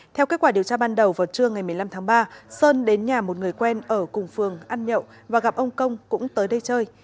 theo kết quả điều tra ban đầu vào trưa ngày một mươi năm tháng ba sơn đến nhà một người quen ở cùng phường ăn nhậu và gặp ông công cũng tới đây chơi